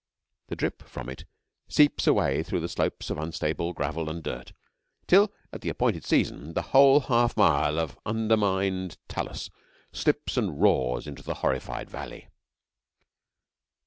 The drip from it seeps away through slopes of unstable gravel and dirt, till, at the appointed season, the whole half mile of undermined talus slips and roars into the horrified valley.